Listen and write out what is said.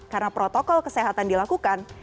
karena protokol kesehatan dilakukan